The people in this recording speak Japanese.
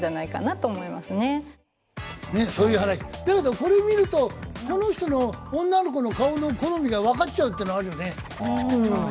これ見ると、この人の女の子の顔の好みが分かっちゃうっていうのがあるよね。